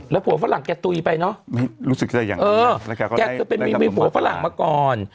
แล้วผัวฝรั่งแกตุ๋ยไปเนาะรู้สึกจะอย่างนี้แกก็มีผัวฝรั่งมาก่อน